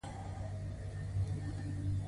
د وینې فشار یوه خاموشه ناروغي ده